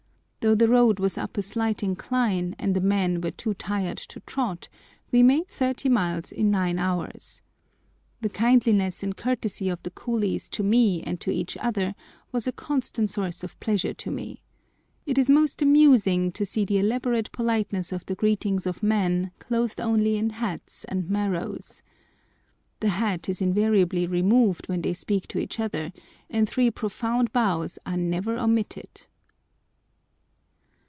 Though the road was up a slight incline, and the men were too tired to trot, we made thirty miles in nine hours. The kindliness and courtesy of the coolies to me and to each other was a constant source of pleasure to me. It is most amusing to see the elaborate politeness of the greetings of men clothed only in hats and maros. The hat is invariably removed when they speak to each other, and three profound bows are never omitted.